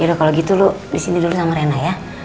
yaudah kalau gitu lu disini dulu sama reina ya